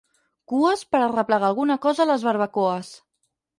Cues per arreplegar alguna cosa a les barbacoes.